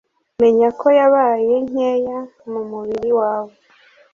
menya ko yabaye nkeya mu mubiri wawe